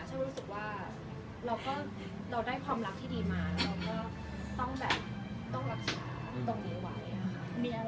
ฉันรู้สึกว่าเราได้ความรักที่ดีมาเราก็ต้องรักษาต้องหยุดไหว